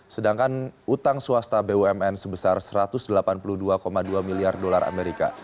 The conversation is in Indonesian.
sedangkan utang swasta bumn sebesar satu ratus delapan puluh dua dua miliar dolar amerika